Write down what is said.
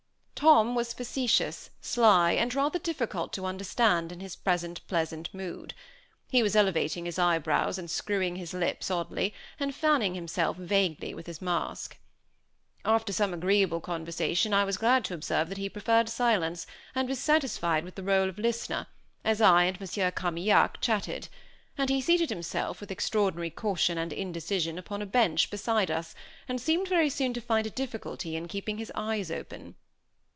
Tom was facetious, sly, and rather difficult to understand, in his present pleasant mood. He was elevating his eyebrows and screwing his lips oddly, and fanning himself vaguely with his mask. After some agreeable conversation I was glad to observe that he preferred silence, and was satisfied with the rôle of listener, as I and Monsieur Carmaignac chatted; and he seated himself, with extraordinary caution and indecision, upon a bench, beside us, and seemed very soon to find a difficulty in keeping his eyes open.